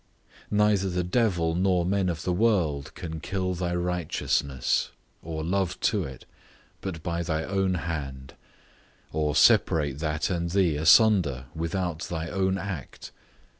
Neither the devil, nor men of the world, can kill thy righteousness, or love to it, but by thy own hand; or separate that and thee asunder, without thy own act.